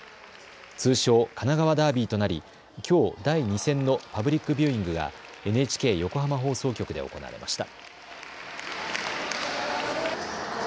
通称、神奈川ダービーとなりきょう第２戦のパブリック・ビューイングがＮＨＫ横浜放送局で行われました。